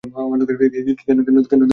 কেন এমন কাজ করলেন?